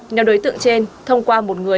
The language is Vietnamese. nếu đối tượng trên thông qua một người